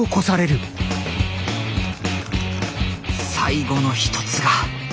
最後の一つが。